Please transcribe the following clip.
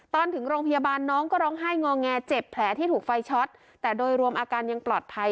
ตอนถึงโรงพยาบาลน้องก็ร้องไห้งอแงเจ็บแผลที่ถูกไฟช็อตแต่โดยรวมอาการยังปลอดภัย